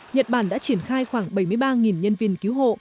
nhật bản đã triển khai khoảng bảy mươi ba nhân viên cứu hộ